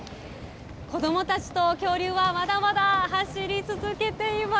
子どもたちと恐竜は、まだまだ走り続けています。